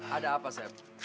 ada apa sep